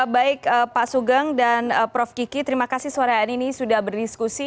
baik pak sugeng dan prof kiki terima kasih sore hari ini sudah berdiskusi